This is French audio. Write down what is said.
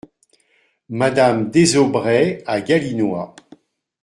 Madame Désaubrais , à Galinois.